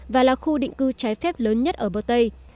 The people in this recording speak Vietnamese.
và là khu định cư trái phép lớn nhất ở bờ tây